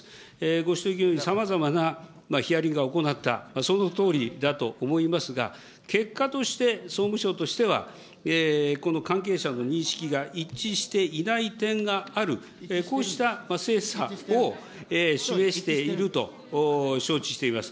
ご指摘のようにさまざまなヒアリングは行った、そのとおりだと思いますが、結果として総務省としては、この関係者の認識が一致していない点がある、こうした精査を示していると承知しています。